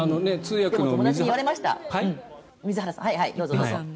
でも、友達に言われました。